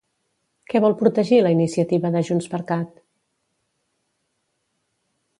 Què vol protegir la iniciativa de JxCat?